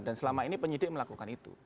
dan selama ini penyidik melakukan itu